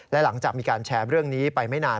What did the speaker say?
และหลังจากมีการแชร์เรื่องนี้ไปไม่นาน